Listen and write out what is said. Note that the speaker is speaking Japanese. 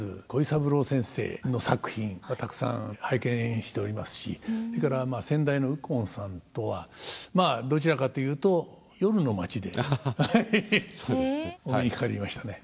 鯉三郎先生の作品はたくさん拝見しておりますしそれから先代の右近さんとはまあどちらかというと夜の街でね。